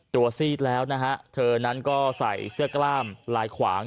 ซีดแล้วนะฮะเธอนั้นก็ใส่เสื้อกล้ามลายขวาง